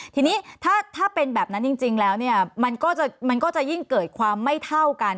ทีนี้ถ้าเป็นแบบนั้นจริงแล้วเนี่ยมันก็จะยิ่งเกิดความไม่เท่ากัน